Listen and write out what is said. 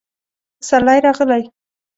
پسرلی راغلی